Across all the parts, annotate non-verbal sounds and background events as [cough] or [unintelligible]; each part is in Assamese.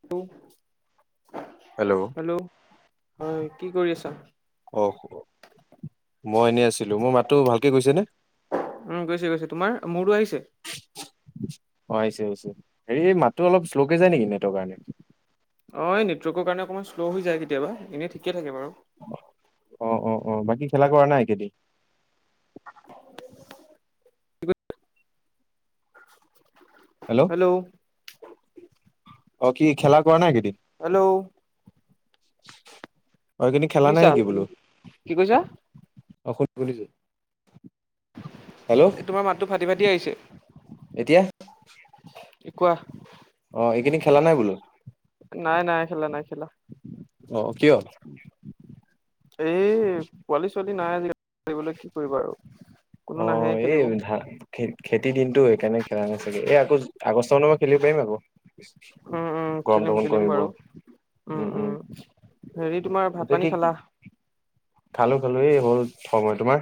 [unintelligible] হেল্ল' হয় কি কৰি আছা? অ মই এনেই আছিলো মোৰ মাততো ভালকে গৈছেনে। উম গৈছে গৈছে তোমাৰ মূৰো আহিছে। অঁ আহিছে আহিছে হেৰি এই মাতটো অলপ শ্ল'কে যায় নেকি নেটৰ কাৰণে। অঁ নেটৱৰ্কৰ কাৰণে অকণমান শ্ল' হৈ যায় কেতিয়াবা এনেই ঠিকে থাকে বাৰু অঁ অঁ অঁ বাকী খেলা কৰা নাই এইকেইদিন। হেল্ল', অঁ কি খেলা কৰা নাই এইকেইদিন হেল্ল', হয়খিনি খেলা নাই শুনিছা নেকি বোলো কি কৈছা অসুবিধা তোমাৰ মাতটো ফাটি ফাটি আহিছে। এতিয়া এ কোৱা অ এইকেইদিন খেলা নাই বোলো? নাই নাই খেলা নাই খেলা অহ কিয়? এই পোৱালি ছোৱালী নাই আজিকালি কৰিবলৈ কি কৰিবা আৰু। কোনো অ নাহে খেলিব এই ধা খে খেতিৰ দিনতটো সেইকাৰণে খেলা না চাগে এই আকৌ আগষ্ট মানত খেলিব পাৰিম আকৌ উম উম গৰমটো খেলিম অকণ খেলিম কমিব বাৰু। উম উম হেৰি তোমাৰ ভাত এতিয়া পানী কি খালা। খালো খালো হ'ল সময় তোমাৰ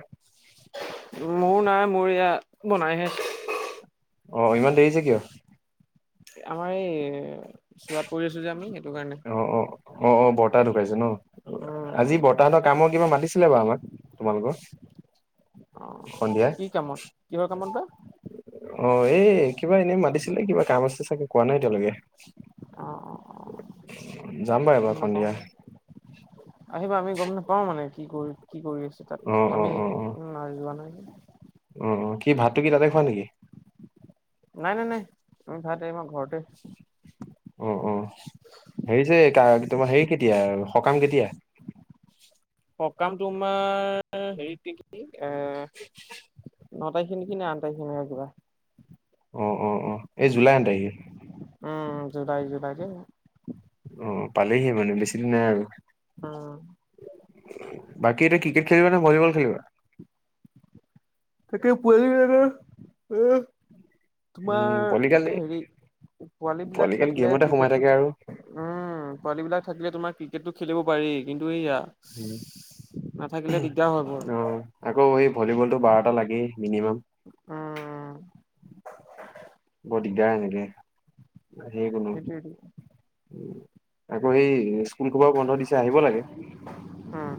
মোৰ নাই মোৰ ইয়া বনাইহে অ ইমান দেৰি যে কিয়? আমাৰ এই চোৱাত পৰি আছো যে আমি সেইটো কাৰণে। তা ঢুকাইছে ন। উম আজি উম বতাহতৰ কামত কিবা মাতিছিলে বাৰু আমাক তোমালোকৰ অ সন্ধিয়া কি কামত কিহৰ কামত বা অ এই কিবা এনেই মাতিছিলে কিবা কাম আছে চাগে কোৱা নাই এতিয়ালৈকে অ অ অ যাম বাৰু গম এইবাৰ নাপাওঁ সন্ধিয়া আহিবা আমি গম নাপাওঁ মানে কি কৰি কি কৰি আছে তাত অ অ আমি অ অ উ যোৱা নাই। অ কি ভাতটো কি তাতে খোৱা নেকি? এ ভাত এই মই ঘৰতে অ অ হেৰি যে কাৰ তোমাৰ হেৰি কেতিয়া সকাম কেতিয়া? সকাম তোমাৰ হেৰিত নেকি এ খিন কি না আনটখিনি এ কিবা অ অ অ এই জুলাই আঠ তাৰিখে উম জুলাই জুলাইতে অ পালেহি মানে বেছি দিন নাই আৰু উম বাকী এতিয়া ক্ৰিকেট খেলিবা নে ভলীবল খেলিবা তেকেই পোৱালি জানে উ তোমাৰ উম পোৱালিকালি হেৰি পোৱালী বিলাক পোৱালিকালি থাকিলে গেমতে সোমাই থাকে আৰু ক্ৰিকেটোত উম পোৱালী বিলাক থাকিলে তোমাৰ ক্ৰিকেটটো খেলিব পাৰি কিন্তু এইয়া নাথাকিলে দিগদাৰ হয় বৰ অ আকৌ এই ভলীবলতটো বাৰটা লাগেই। মিনিমাম। উম বৰ দিগদাৰ এনেকৈ নাহেই কোনো সেইটোৱেটো উ। আকৌ সেই স্কুলসোপা বন্ধ দিছে আহিব লাগে। উম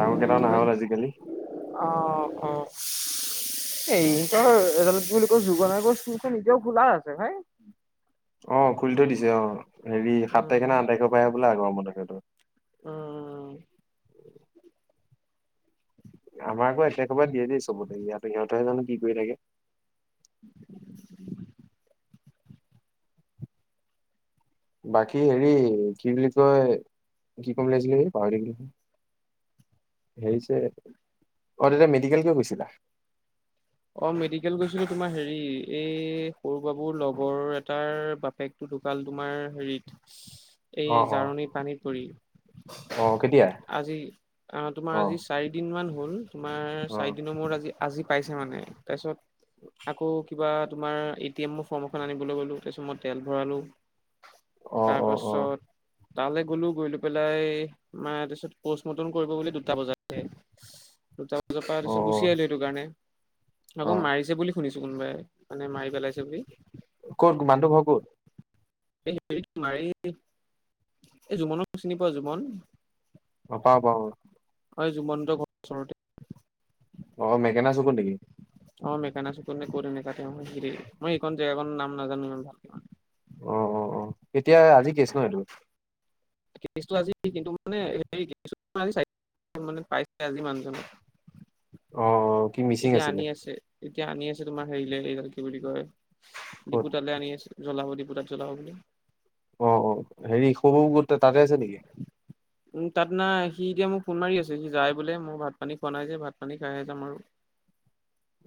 ডাঙৰ কেইটাও কি কয় নহা হল আজিকালি। এই তই এডাল কি বুলি কৈ যুগ নগৰ স্কুলখন এতিয়াও খোলা আছে ভাই। অ খুলি থৈ দিছে অ। হেৰি সাত তাৰিখে উম ন আঠ তাৰিখে সবলা আগৰ মতে বোলে গৰম বন্ধ। উম আমাৰ আকৌ এক তাৰিখৰ পৰাই দিয়ে দেই চবতে, ইয়াতে সিহঁতেহে জানো কি কৰি থাকে! [inaudible] বাকী হেৰি কি বুলি কয় কি কম বুলি ভাবিছিলোঁ হে পাহৰি থাকিলোঁ নহয়। হেৰিছে অ দাদা মেডিকেল কিয় গৈছিলা? অ মেডিকেল গৈছিলো তোমাৰ হেৰি এই সৰু বাবুৰ লগৰ এটাৰ বাপেকটো ঢুকাল তোমাৰ হেৰিত এই অ অ জাৰনী পানীত পৰি। অ কেতিয়া আজি অ তোমাৰ আজি চাৰি দিন মান হ'ল। তোমাৰ অ চাৰিদিনৰ মূৰত আজি আজি পাইছে মানে তাছত আকৌ কিবা তোমাৰ এ টি এমৰ ফৰ্ম এখন আনিবলৈ গলো তাৰপিছত মই তেল ভৰালো। অ অ অ তাৰপাছত তালৈ গ'লো গৈলো পেলাই মই তাৰ পিছত পষ্ট মৰ্টম কৰিব বুলি দুটা বজাতে দুটা বজা পাৰ অ অ পিছত গুচি আহিলো এইটো কাৰণে। অ আকৌ মাৰিছে বুলি শুনিছো কোনোবাই মানে মাৰি পেলাইছে বুলি। ক'ত মানটো ঘৰ কত? এই মাৰি এই জুমনক চিনি পোৱা জুমন অহ, পাওঁ পাওঁ। হয়, জুমন্তৰ ঘৰৰ ওচৰতে। অ, মেকেনা চুকত নেকি? অ মেকেনা চুকত কত এনেকাতে অ, হেৰি। মই এইকন জেগাকণ নাম নাজানো ইমান ভালকৰি। অ অ অ। এতিয়া, আজি কেছ ন এইটো। কেছটো আজি, কিন্তু মানে হে মানে হেৰি কেছটো চাৰি মানে পাইছে আজি মানুহজনক। অ অ। এতিয়া আনি আছে, এতিয়া আনি আছে তোমাৰ হেৰিলে এই কি বুলি কয় ক'ত দিপুতালৈ আনি আছে। জ্বলাব, ডিপুতাত জ্বলাব বুলি। অ অ। হেৰি, শহু ঘৰটো তাতে আছে নেকি? উম তাত নাই। সি এতিয়া মোক ফোন মাৰি আছে, সি যায় বোলে। মই ভাত পানী খোৱা নাই যে ভাত পানী খাইহে যাম আৰু।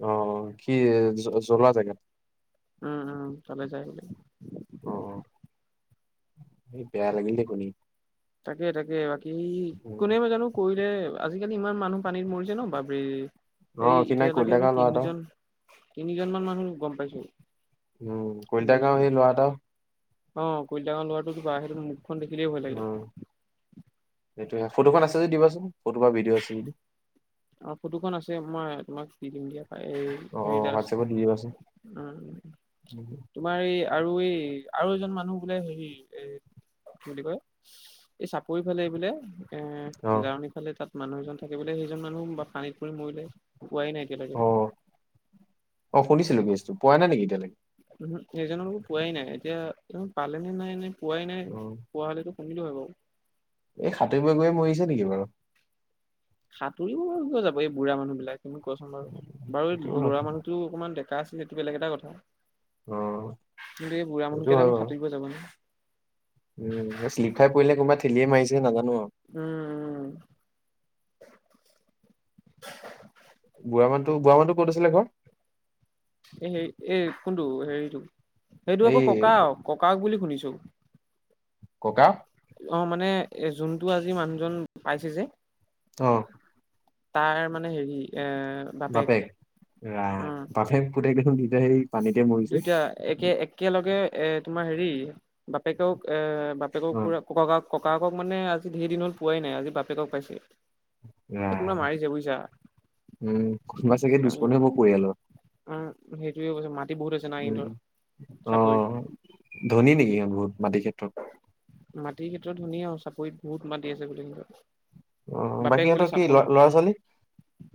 অ অ। কি, জ্বলোৱা জেগাত। উম উম, তালৈ যাই আহিব লাগিব। অ অ। বেয়া লাগিল দেই শুনি। তাকে তাকে। বাকী, উম, কোনেনো জানো কৰিলে আজিকালি ইমান মানুহ পানীত মৰিছে ন? বাপৰে। অ এই সি নাই কলিতা এতিয়ালৈকে আমি গাঁৱৰ ল'ৰা এটা তিনিজন তিনিজন মান মানুহ গম পাইছোঁ। উম। কলিতা গাৱঁৰ সেই লৰা এটাও অ, কলিতা গাৱঁৰ লৰাটো কিবা সেইটো মুখখন দেখিলেই ভয় লাগে। সেইটোৱে। ফটোখন আছে যদি দিবাচোন, ফটো বা ভিডিঅ' আছে যদি। অ ফটোখন আছে, মই তোমাক দি দিম দিয়া। এ এই, অ অ হেৰি তাৰ আছে। হোৱাটছএপত দি দিবাচোন উম। তোমাৰ এই আৰু এই, আৰু এজন মানুহ বোলে হেৰি, এ কি বুলি কয়, এই চাপৰি ফালে এই বোলে এ, অ জাৰণি ফালে তাত মানুহ এজন থাকে বোলে। সেইজন মানুহ বা পানীত পৰি মৰিলে। পোৱাই নাই এতিয়ালৈকে অ। অ শুনিছিলো কেচটো, পোৱা নাই নেকি এতিয়ালৈকে? উহু, সেইজনৰো পোৱাই নাই। এতিয়া পালে নে নাই নে পোৱাই নাই, অ পোৱা হলেতো ধনিটো হয় বাৰু। এই সাঁতুৰিব গৈয়ে মৰিছে নেকি বাৰু। সাঁতুৰিব বাৰু কিয় যাব এই বুঢ়া মানুহবিলাক তুমি কোৱাচোন বাৰু, বাৰু এই সেইটোও হয় ল'ৰামানুহটো অকমান দে- ডেকা আছিলে সেইটো বেলেগ এটা কথা, অ কিন্তু এই বুঢ়া সেইটো হয় মানুহকেইটানো বাৰু সাঁতুৰিব যাব নে। উম, এই শ্লিপ খাই পৰিলে নে কোনোবাই ঠেলিয়ে মাৰিছে নাজা উম, উম, উম। তোৰ বুঢ়া মানুহটোৰ ক'ত আছিলে ঘৰ [inaudible] এ হেৰি এই কোনটো হেৰিটো সেইটো এই আকৌ ককা ককাক বুলি শুনিছোঁ [unintelligible] ককা? অ মানে, এ যোনটো আজি মানুহজন পাইছে যে আহ। তাৰ মানে হেৰি, এ বাপেক। ৰাম উম। বাপেক পুতেক দেখোন দুইটা সেই পানীতে মৰিছে দুইটা। একে একেলগে, এ তোমাৰ হেৰি বাপেকেও এ বাপেকক অ পুৰা, ককা- ককাকক মানে আজি ধেৰ দিন হল পোৱাই নাই। আজি বাপেকক পাইছে। এ ৰাম কোনোবা মাৰিছে বুজিছা। উম, কোনোবা চাগে কাৰণ দুস্মনে হ'ব পৰিয়ালৰ। উম, সেইটোয়ে কৈছে মাটি বহুত আছে না উম। সিহঁতৰ অ, চাপৰিত ধনী নেকি সিহঁত বহুত? মাটি ক্ষেত্ৰত। [unintelligible] টো ধুনীয়া আৰু চাপৰিত বহুত মাতি আছে বুলি [unintelligible] অ বাকী বাপেক বোলে সিহঁতৰ কি ল চাকৰিত, ল'ৰা ছোৱালী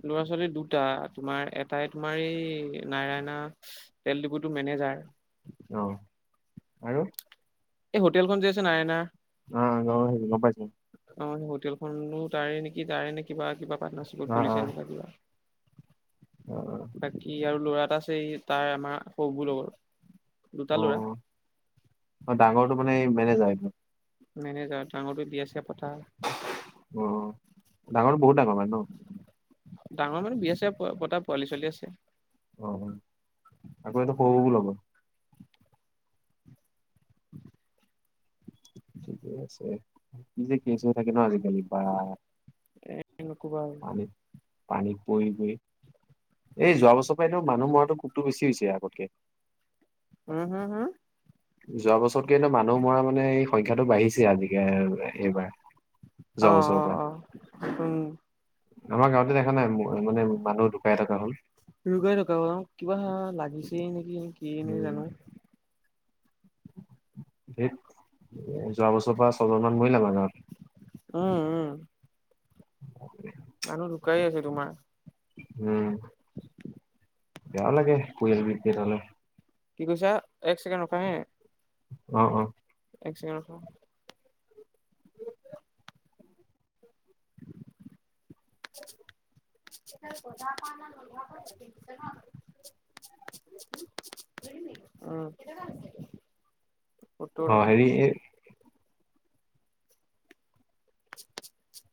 ল'ৰা-ছোৱালী দুটা তোমাৰ এ এটাই তোমাৰ এই নাৰায়না তেল ডিপুটোৰ মেনেজাৰ। অ', আৰু? এই হোটেলখন যে আছে নৰনাৰায়ণ [inaudible] অ-অ গম পাইছোঁ গম পাইছোঁ। অ, সেই হোটেলখনো তাৰে নেকি তাৰে নে কিবা কিবা পাৰ্টনাৰশ্বিপ খুলিছে সেনেকা কিবা অহ [unintelligible] ই আৰু ল'ৰা এটা আছে তাৰ আমাৰ সৌ বৌৰ লগত অ-অ ডাঙৰটো মানে মেনেজাৰ মেনেজাৰ ডাঙৰটো বিয়া-চিয়া পতা অ ডাঙৰ বহুত ডাঙৰ মানে ন? ডাঙৰ মানে বিয়া-চিয়া পতা পোৱালি-ছোৱালী আছে। অ আকৌ এইটো সৰুবোৰ লগৰ ঠিকেই আছে কি যে কেচ হৈ থাকে ন আজি কালি বা নকবা আৰু পানী-পানীত পৰি মৰিল এই যোৱা বছৰ পৰাটো মানুহ মৰাটো কোপটো বেছি হৈছে আগতকে হুম-হুম-হুম যোৱা বছৰতকে এনেও মানুহ মৰা মানে এই সংখ্যাটো বাঢ়িছে আজিকালি এইবাৰ যোৱা বছৰৰ পৰা। অ-অ-অ, উম। আমাৰ গাঁৱতে দেখা নাই মানে মানুহ ঢুকাই থকা হল। ধুকাই থকা হ'ল অঁ কিবা লাগিছে নেকি কিয়ে নে জানো ধেইত যোৱা বছৰৰ পৰা ছজনমান মৰিলে আমাৰ গাঁৱত উম-উম [unintelligible] মানুহ ঢুকাই আছে তোমাৰ উম বেয়া লাগে পৰিয়াল বিধ কেইটালে কি কৈছা এক ছেকেণ্ড ৰখা হে অ-অ এক চেকেণ্ড ৰখা [inaudible] [inaudible] আহ [unintelligible] অ হেৰি এ [inaudible]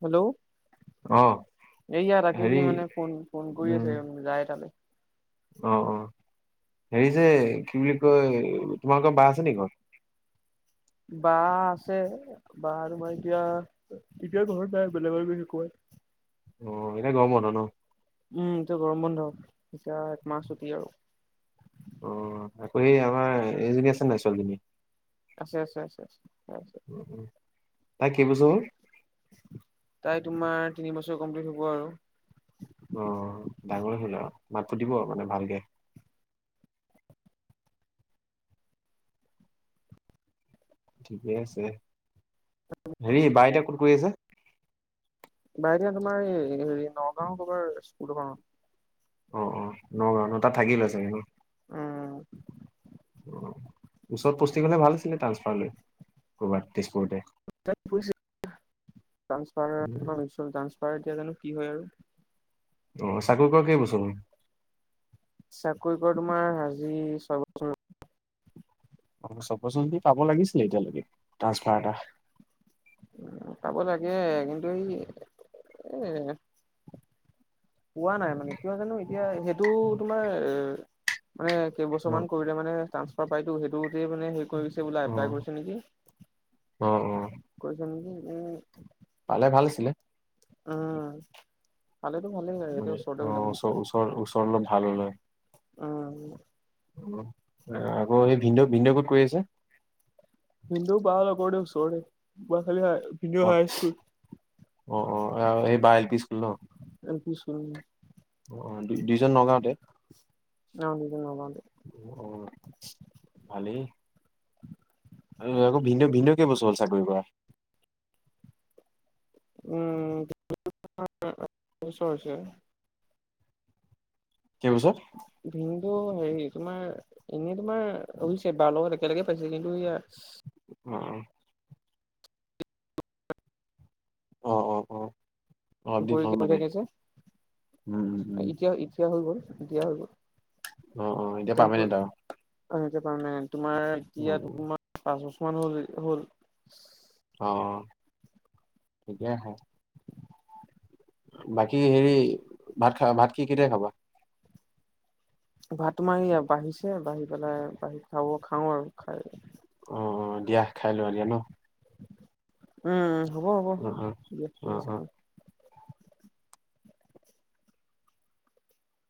হেল্ল' অ এইয়াৰ তে হেৰি কি মানে ফোন ফোন কৰি উম আছে যায় তালে। অ অ হেৰি যে কি বুলি কয় তোমাৰোকৰ বা আছে নেকি ঘৰত। বা আছে বা আৰু মই এতিয়া এতিয়া ঘৰত নাই বেলেগৰ গৈছে কবাত [unintelligible] অ এতিয়া গৰম বন্ধ ন। উম তু গৰম বন্ধ। এতিয়া একমাহ চুটি আৰু। অ আকৌ সেই আমাৰ এইজনী আছে নাই ছোৱালীজনী। আছে আছে আছে আছে উম! উম! তাই কেই বছৰ হল। তাই তোমাৰ তিনি বছৰ কমপ্লিট হ'ব আৰু। অ ডাঙৰে হ'ল আৰু মাত ফুতিব মানে ভালকে। ঠিকে আছে হেৰি বাই এতিয়া কত কৰি আছে। বাইদেউ তোমাৰ এই হেৰি নগাঁও কবাৰ স্কুল এখনত। অ অ নগাঁও ন তাত থাকি লয় চাগে ন। উম, অ ওচৰত পুষ্টিঙ হলে ভাল আছিলে ট্ৰান্সফাৰ লৈ কৰ'বাত। তেজপুৰতে [inaudible] ফাৰ এতিয়া জানো কি হয় আৰু? অ চাকৰি কৰা কেই বছৰ হল চাৰি বছৰ। অ চব পাচলি পাব লাগিছিলে এতিয়ালৈকে ট্ৰাসফাৰ এটা উ চাব লাগে কিন্তু এই এ পোৱা নাই মানে কিয় জানো এতিয়া সেইটো তোমাৰ এ মানে কেইবছৰ অ মান কৰিলে মানে ট্ৰান্সফাৰ পাইতো সেইটোতেই মানে হেৰি কৰি বোলা অ এপ্লাই কৰিছে নেকি অ অ কৈছ নেকি উ পালে ভাল আছিলে। আহ মানে অ ওচ ওচৰ ওচৰ অলপভাল হলে হয়। উম আকৌ এই ভিনদেউ ভিনদেউ ক'ত কৰি আছে। ভিনদেউ বা লগতে ওচৰৰে খালি হয়। অ অ অ এই বাই এল পি স্কুল ন। উম অ দুইজন নগাওতে। ভালেই। আকৌ ভিনদেউ ভিনদেউ কেই বছৰ হল চাকৰি কৰা। উমছ হৈছে [unintelligible] কেইবছৰ ভিনদেউ। হেৰি তোমাৰ এনেই তোমাৰ অভিষেক তাৰ লগত একে লগে পাইছিল উম অ অ অ অ অলপ দিন হ'ল পৰীক্ষা হৈ মানে থাকে যে উম উম উম এতিয়া এতিয়া হৈ গল এতিয়া হৈ গল। অ অ এতিয়া পামেন্ট আৰু। প নাই তোমাৰ উম এতিয়া উম তোমাৰ পাঁচ বছৰমান হ'ল হ'ল। অ ঠিকে আছে বাকী হেৰি ভাত খালা ভাত কি কেতিয়া খাবা ভাত তোমাৰ ইয়া বাঢ়িছে বাঢ়ি পেলাই বাঢ়ি খাব খাওঁ আৰু খাই অ অ দিয়া খাই লৈ এতিয়া ন উম হ'ব হ'ব অ অ ঠিক আছে অ